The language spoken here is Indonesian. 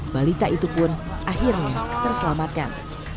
balita itu pun akhirnya terselamatkan